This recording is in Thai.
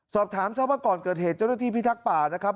สอบถามทราบว่าก่อนเกิดเหตุเจ้าหน้าที่พิทักษ์ป่านะครับ